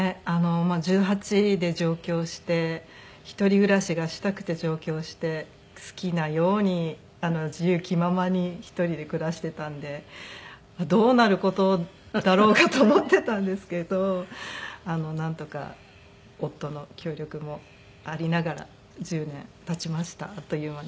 １８で上京をして一人暮らしがしたくて上京をして好きなように自由気ままに１人で暮らしていたんでどうなる事だろうかと思っていたんですけどなんとか夫の協力もありながら１０年経ちましたあっという間に。